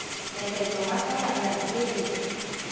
你哋做乜都有人支持